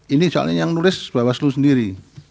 ini soalnya yang nulis bawaslu sendiri